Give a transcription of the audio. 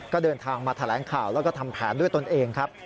ก็เดินทางมาแถลงข่าวแล้วก็ทำแผนด้วยตนเองครับ